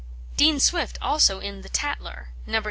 Dean Swift, also, in the Tatler, No.